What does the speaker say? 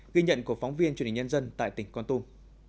ghi nhận của phóng viên truyền hình nhân dân tại tỉnh con tum